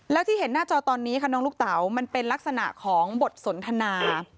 แล้วที่เห็นหน้าจอตอนนี้ค่ะน้องลูกเต๋ามันเป็นลักษณะของบทสนทนา